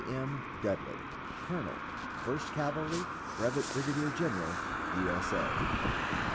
M. DUDLEY, _Colonel First Cavalry, Brevet Brigadier General U. S. A.